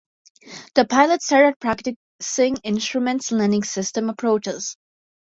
The pilot started practicing Instrument Landing System approaches.